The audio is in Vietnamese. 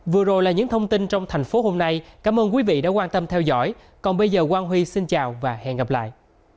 vừa rồi là những thông tin trong thành phố hôm nay cảm ơn quý vị đã quan tâm theo dõi còn bây giờ quang huy xin chào và hẹn gặp lại